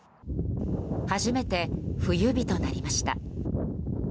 初めて冬日となりました。